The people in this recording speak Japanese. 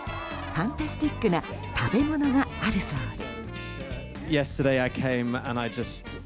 ファンタスティックな食べ物があるそうで。